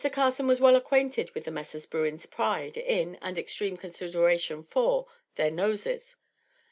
Carson was well acquainted with the Messrs. Bruin's pride in, and extreme consideration for, their noses.